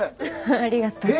ありがとう。